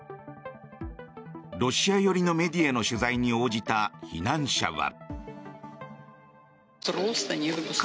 ロシア寄りのメディアの取材に応じた避難者は。